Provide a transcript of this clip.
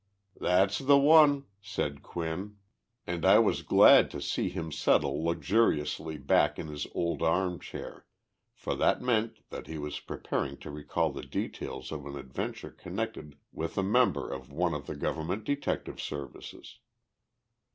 "That's the one," said Quinn, and I was glad to see him settle luxuriously back in his old armchair for that meant that he was preparing to recall the details of an adventure connected with a member of one of the government detective services.